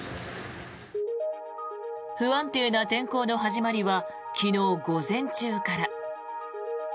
不安定な天候の始まりは昨日午前中から。